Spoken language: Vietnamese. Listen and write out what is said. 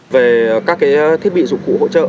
về các thiết bị dụng cụ hỗ trợ